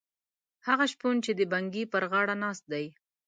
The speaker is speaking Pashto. هغه شپون چې د بنګي پر غاړه ناست دی.